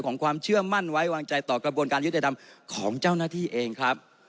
ความเชื่อมั่นไว้วางใจต่อกระบวนการยุติธรรมของเจ้าหน้าที่เองครับ